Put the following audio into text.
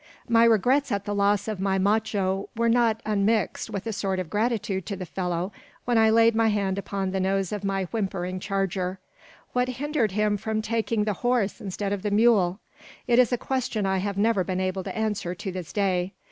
My regrets at the loss of my macho were not unmixed with a sort of gratitude to the fellow when I laid my hand upon the nose of my whimpering charger. What hindered him from taking the horse instead of the mule? It is a question I have never been able to answer to this day.